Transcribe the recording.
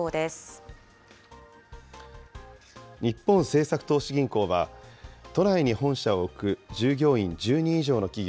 日本政策投資銀行は、都内に本社を置く、従業員１０人以上の企業